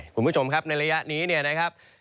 คุณผู้ชมครับในระยะนี้เนี่ยนะครับ